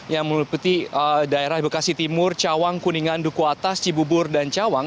yang meliputi daerah bekasi timur cawang kuningan duku atas cibubur dan cawang